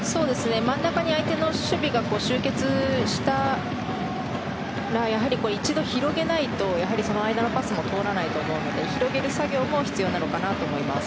真ん中に相手の守備が集結したらやはり一度、広げないとその間のパスも通らないと思うので広げる作業も必要なのかなと思います。